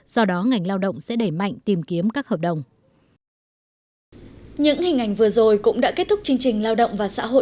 do đó ngành lao động sẽ đẩy mạnh tìm kiếm các thị trường